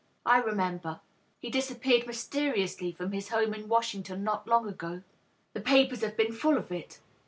"I remember. He disappeared mysteriously &om his home in Washington not long ago. The papers have been full of it.